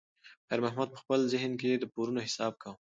خیر محمد په خپل ذهن کې د پورونو حساب کاوه.